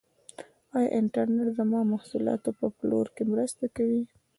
آیا انټرنیټ زما د محصولاتو په پلور کې مرسته کوي؟